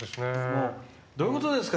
どういうことですか？